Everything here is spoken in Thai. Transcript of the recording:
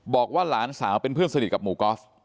บอกว่าหลานสาวเป็นเพื่อนสนิทกับหมู่กอล์ฟ